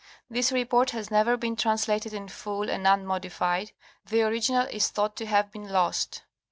This report has never been translated in full and unmodified, the orig inal is thought to have been lost.